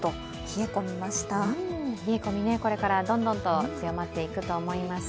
冷え込み、これからどんどんと強まっていくと思います。